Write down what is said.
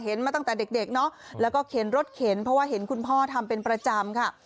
มาตั้งแต่เด็กเนอะแล้วก็เข็นรถเข็นเพราะว่าเห็นคุณพ่อทำเป็นประจำค่ะ